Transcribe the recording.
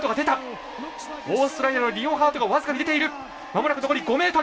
オーストラリアのリオンハートが僅かに出ている。